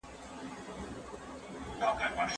د ټولني د هوساینې لپاره بیلابیلې پروژې پلي کیږي.